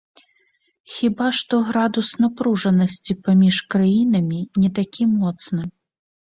Хіба што градус напружанасці паміж краінамі не такі моцны.